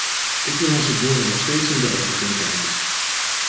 Ik wil onze boeren nog steeds in de ogen kunnen kijken.